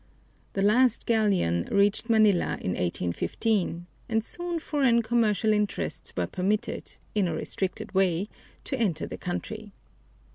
The last galleon reached Manila in 1815, and soon foreign commercial interests were permitted, in a restricted way, to enter the country.